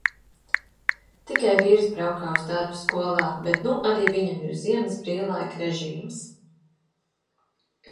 Tikai vīrs braukā uz darbu skolā, bet nu arī viņam ir ziemas brīvlaika režīms.